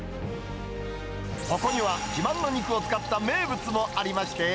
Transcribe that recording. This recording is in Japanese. そこには自慢の肉を使った名物もありまして。